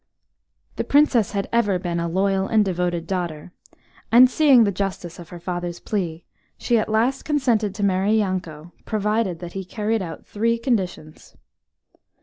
The Princess had ever been a loyal and devoted daughter, and seeing the justice of her father's plea, she at last consented to marry Yanko, provided that he carried out three conditions.